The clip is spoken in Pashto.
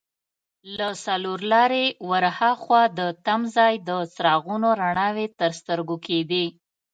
له څلور لارې ور هاخوا د تمځای د څراغونو رڼاوې تر سترګو کېدې.